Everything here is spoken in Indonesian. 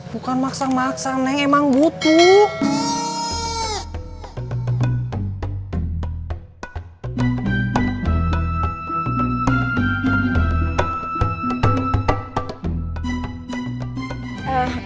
bukan maksa maksa nih emang butuh